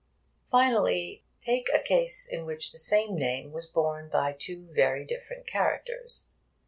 Finally, take a case in which the same name was borne by two very different characters.